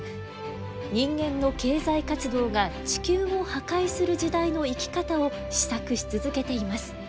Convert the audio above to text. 人間の経済活動が地球を破壊する時代の生き方を思索し続けています。